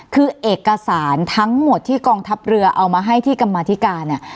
คือเอกสารทั้งหมดที่กองทัพเรือเอามาให้ที่กรรมาธิการเนี่ย